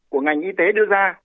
của ngành y tế đưa ra